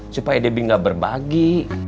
supaya debi gak berbagi